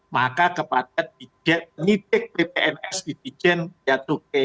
maka kepadanya dititik ppns di dijen biadukai